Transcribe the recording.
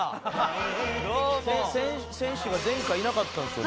先週前回いなかったんですよ